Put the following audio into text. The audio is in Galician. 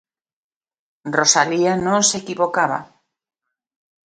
Rosalía non se equivocaba.